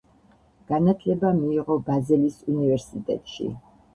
განათლება მიიღო ბაზელის უნივერსიტეტში.